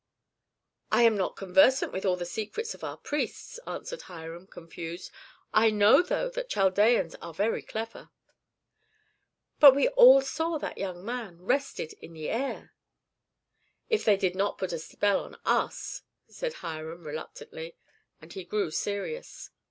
"I am not conversant with all the secrets of our priests," answered Hiram, confused. "I know, though, that Chaldeans are very clever." "But we all saw that that young man rested in the air." "If they did not put a spell on us," said Hiram, reluctantly; and he grew serious.